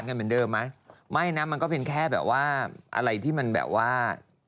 อย่างงั้นมันก็เป็นแค่แบบว่าอันที่มันแบบว่า